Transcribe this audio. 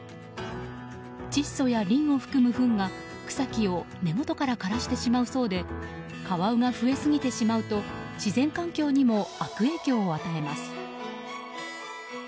窒素やリンを含むふんが、草木を根元から枯らしてしまうそうでカワウが増えすぎてしまうと自然環境にも悪影響を与えます。